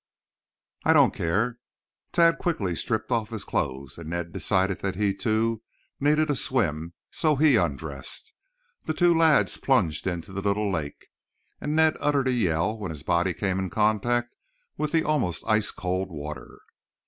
"I don't care." Tad quickly stripped off his clothes, and Ned decided that he, too, needed a swim, so he undressed. The two lads plunged into the little lake, and Ned uttered a yell when his body came in contact with the almost ice cold water.